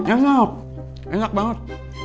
enak enak banget